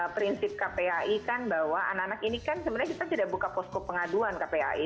prinsip kpai kan bahwa anak anak ini kan sebenarnya kita tidak buka posko pengaduan kpai